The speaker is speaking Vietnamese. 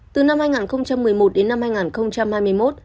từ năm hai nghìn một mươi một đến năm hai nghìn hai mươi một